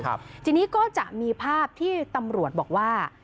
ทีนี้ก็จะมีภาพที่ตำรวจบอกว่า